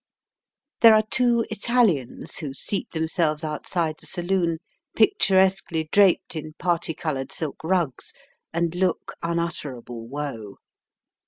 There are two Italians who seat themselves outside the saloon, picturesquely draped in party coloured silk rugs, and look unutterable woe.